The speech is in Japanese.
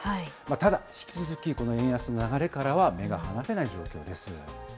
ただ引き続き、この円安の流れからは目が離せない状況です。